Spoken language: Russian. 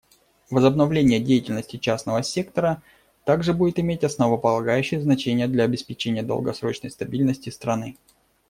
Возобновление деятельности частного сектора также будет иметь основополагающее значение для обеспечения долгосрочной стабильности страны.